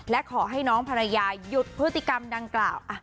และขอให้น้องภรรยาหยุดพฤติกรรมดังกล่าว